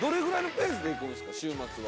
週末は。